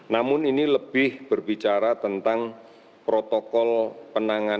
namun ini lebih berbicara tentang protokol penanganan